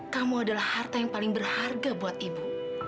kamu adalah harta yang paling berharga buat ibu